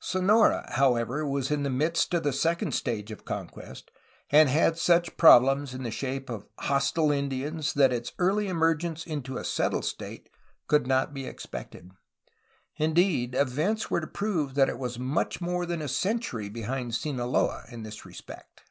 Sonora, however, was in the midst of the second stage of con quest, and had such problems in the shape of hostile Indians that its early emergence into a settled state could not be expected; indeed, events were to prove that it was much more than a century behind Sinaloa in this respect.